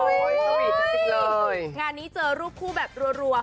เท่านี้เจอรูปคู่แบบรัว